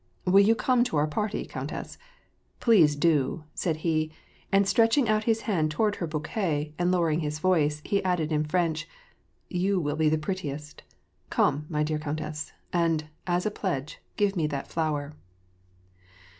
'' Will you come to our party, countess ? Please do,'' said he ; and, stretching out his hand toward her bouquet, and lowering his voice, he added in French, " You will be the prettiest. Come, my dear countess, and, as a pledge, give me that flower."